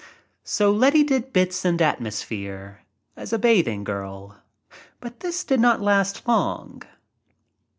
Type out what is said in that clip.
So Letty did bits and atmosphere — as a bathing girl. But this did not last long.